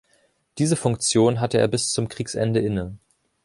Diese Funktion hatte er bis zum Kriegsende inne.